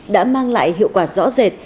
đã mang lại hiệu quả rõ rệt